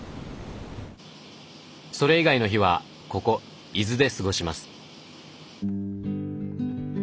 それ以外の日はここ伊豆で過ごします。